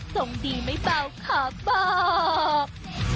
ส่งดีไหมเปล่าขอบอก